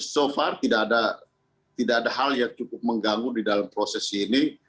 so far tidak ada hal yang cukup mengganggu di dalam proses ini